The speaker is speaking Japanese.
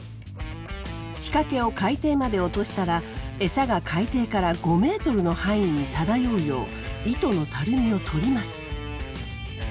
仕掛けを海底まで落としたらエサが海底から５ｍの範囲に漂うよう糸のたるみをとります。